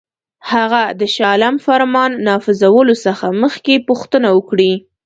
هغه د شاه عالم فرمان نافذولو څخه مخکي پوښتنه وکړي.